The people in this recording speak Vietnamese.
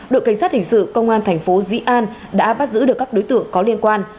đội cảnh sát hình sự công an thành phố dĩ an đã bắt giữ được các đối tượng có liên quan